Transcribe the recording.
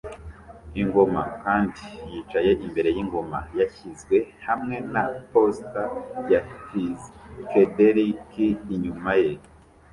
ingoma kandi yicaye imbere yingoma yashyizwe hamwe na posita ya psychedelic inyuma ye